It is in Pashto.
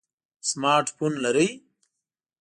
سمارټ فون لرئ؟